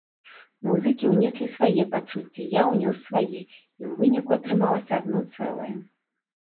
Музыкі ўнеслі свае пачуцці, я ўнёс свае і ў выніку атрымалася адно цэлае.